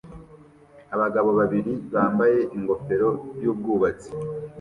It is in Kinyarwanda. Abagabo babiri bambaye ingofero yubwubatsi